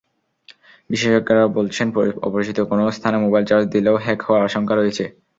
বিশেষজ্ঞরা বলছেন, অপরিচিত কোনো স্থানে মোবাইল চার্জ দিলেও হ্যাক হওয়ার আশঙ্কা রয়েছে।